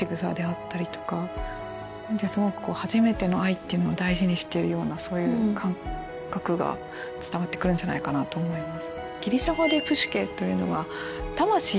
初めての愛っていうのを大事にしているようなそういう感覚が伝わってくるんじゃないかなと思います。